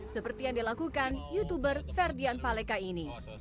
seperti yang dilakukan youtuber ferdian paleka ini